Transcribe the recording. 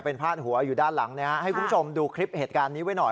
เป็นพาดหัวอยู่ด้านหลังให้คุณผู้ชมดูคลิปเหตุการณ์นี้ไว้หน่อย